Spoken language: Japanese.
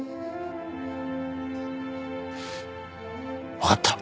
わかった。